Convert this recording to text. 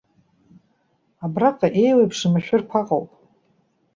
Абраҟа иеиуеиԥшым ашәырқәа ыҟоуп.